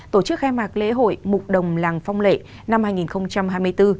tổ chức khai mạc lễ hội mục đồng làng phong lệ năm hai nghìn hai mươi bốn